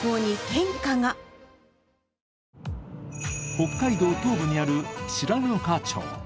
北海道東部にある白糠町。